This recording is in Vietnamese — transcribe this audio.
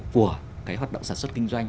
của cái hoạt động sản xuất kinh doanh